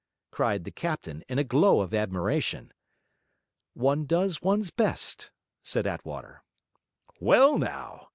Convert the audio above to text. cried the captain, in a glow of admiration. 'One does one's best,' said Attwater. 'Well, now!'